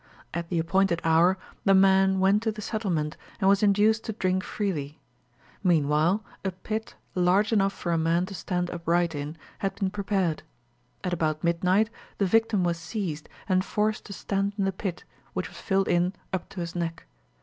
At the appointed hour, the man went to the settlement, and was induced to drink freely. Meanwhile, a pit, large enough for a man to stand upright in, had been prepared. At about midnight, the victim was seized, and forced to stand in the pit, which was filled in up to his neck.